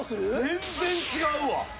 全然違うわ。